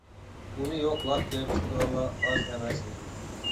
ئۇنى يوقلاپ كىرىپ چىقىدىغانلار ئاز ئەمەس ئىدى.